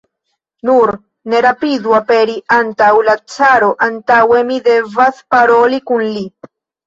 Nur ne rapidu aperi antaŭ la caro, antaŭe mi devas paroli kun li.